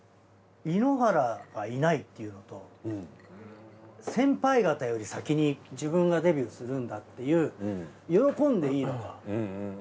井ノ原がいないっていうのと先輩方より先に自分がデビューするんだっていう喜んでいいのか。